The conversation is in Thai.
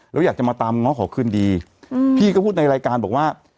แล้วอยากจะมาตามง้อขอคืนดีอืมพี่ก็พูดในรายการบอกว่า